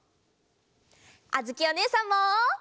あづきおねえさんも！